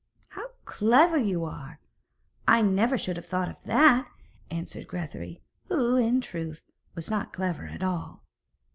'How clever you are! I never should have thought of that!' answered Grethari, who, in truth, was not clever at all.